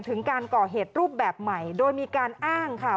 ถึงการก่อเหตุรูปแบบใหม่โดยมีการอ้างค่ะ